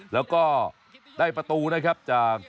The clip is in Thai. แล้วก็ได้ประตูนะครับจาก